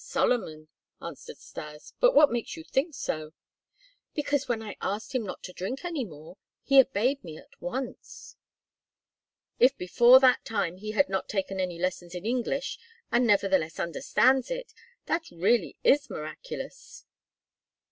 "As Solomon," answered Stas. "But what makes you think so?" "Because when I asked him not to drink any more, he obeyed me at once." "If before that time he had not taken any lessons in English and nevertheless understands it, that really is miraculous."